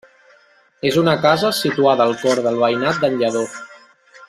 És una casa situada al cor del veïnat d'en Lledó.